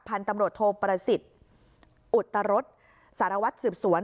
พันธุ์ตำรวจโทประสิทธิ์อุตรสสารวัตรสืบสวน